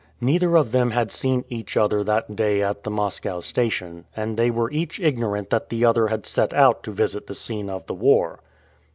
Neither of them had seen each other that day at the Moscow station, and they were each ignorant that the other had set out to visit the scene of the war.